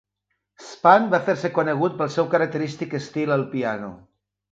Spann va fer-se conegut pel seu característic estil al piano.